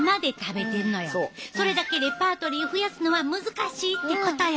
それだけレパートリー増やすのは難しいってことよ。